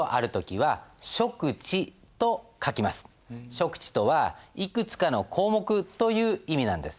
諸口とは「いくつかの項目」という意味なんです。